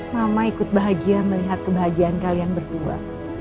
mama ikut bahagia melihat kebahagiaan kalian berdua